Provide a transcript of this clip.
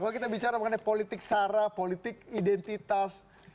kalau kita bicara mengenai politik sara politik identitas